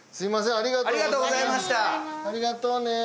ありがとうね。